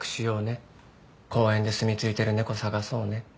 公園ですみ着いてる猫探そうね。